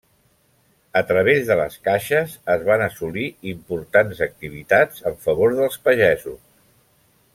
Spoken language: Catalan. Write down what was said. A través de les Caixes es van assolir importants activitats en favor dels pagesos.